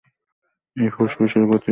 এই ফুসফুসের গতি বায়ুকে আকর্ষণ করিতেছে।